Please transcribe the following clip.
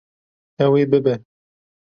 Ew ê bibe.